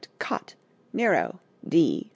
Cott., Nero, D. 1.